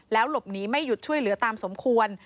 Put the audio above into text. หลบหนีไม่หยุดช่วยเหลือตามสมควร